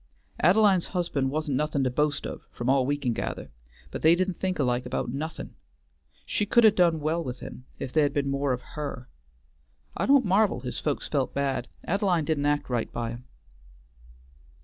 Ad'line's husband wa'n't nothin' to boast of from all we can gather, but they didn't think alike about nothin'. She could 'a' done well with him if there'd been more of her. I don't marvel his folks felt bad: Ad'line didn't act right by 'em."